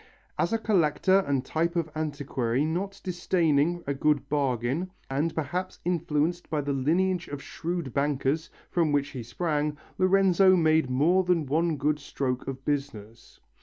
As a collector and type of antiquary not disdaining a good bargain, and perhaps influenced by the lineage of shrewd bankers, from which he sprang, Lorenzo made more than one good stroke of business.